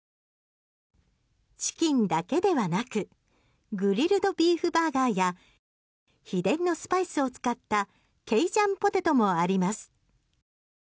チキンだけではなくグリルドビーフバーガーや秘伝のスパイスを使ったケイジャンポテトもあります。